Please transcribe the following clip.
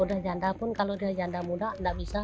udah janda pun kalau dia janda muda nggak bisa